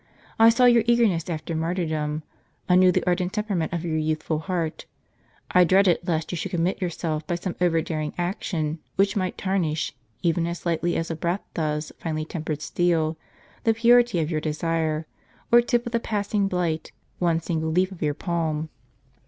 I saw your eagerness after martyrdom ; I knew the ardent temperament of your youth ful heart ; I dreaded lest you should commit yourself by some over daring action which might tarnish, even as lightly as a breath does finely tempered steel, the purity of your desire, or tip with a passing blight one single leaf of your palm.